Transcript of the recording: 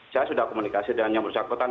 saya sudah komunikasi dengan yang bersangkutan